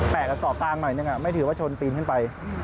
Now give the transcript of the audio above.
แต่สอบกลางหน่อยนึงไม่ถือว่าชนปีนขึ้นไป